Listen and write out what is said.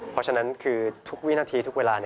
เพราะฉะนั้นคือทุกวินาทีทุกเวลา